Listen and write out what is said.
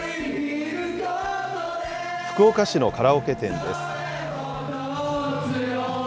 福岡市のカラオケ店です。